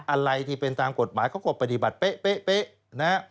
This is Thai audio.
อะไรที่เป็นตามกฎหมายเขาก็ปฏิบัติเป๊ะนะฮะ